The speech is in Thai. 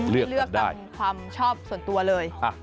เลือกกันได้เลือกกับความชอบส่วนตัวเลย